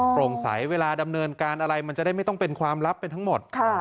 โปร่งใสเวลาดำเนินการอะไรมันจะได้ไม่ต้องเป็นความลับเป็นทั้งหมด